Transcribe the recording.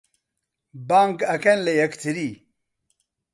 بانگ ئەکەن لە یەکتری